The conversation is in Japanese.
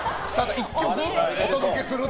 １局お届けする？